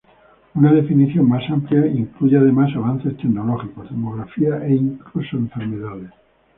Una definición más amplia incluye además avances tecnológicos, demografía e incluso enfermedades.